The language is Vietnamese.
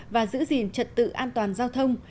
và giữ gìn trật tự an toàn giao thông